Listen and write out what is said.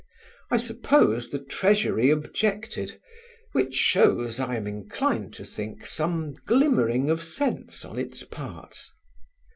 I suppose the Treasury objected, which shows, I am inclined to think, some glimmering of sense on its part.